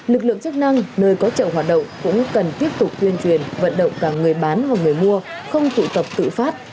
lực lượng chức năng nơi có chợ hoạt động cũng cần tiếp tục tuyên truyền vận động cả người bán hoặc người mua không tụ tập tự phát